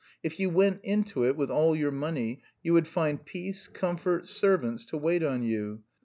If you went into it with all your money, you would find peace, comfort, servants to wait on you.